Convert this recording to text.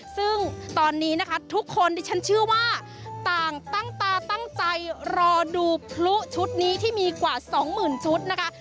ซึ่งตอนนี้นะคะทุกคนดิฉันเชื่อว่าต่างตั้งตาตั้งใจรอดูพลุชุดนี้ที่มีกว่าสองหมื่นชุดนะคะ